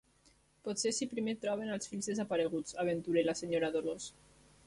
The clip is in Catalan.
Potser si primer troben els fills desapareguts —aventura la senyora Dolors.